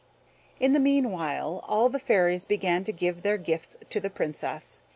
In the meanwhile all the fairies began to give their gifts to the Princess.